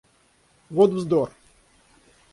Вот вздор!